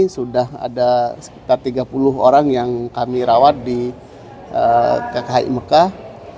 sudah ada sekitar tiga puluh orang yang kami rawat di kki mekah